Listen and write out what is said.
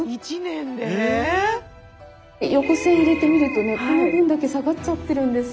横線入れてみるとねこの分だけ下がっちゃってるんです。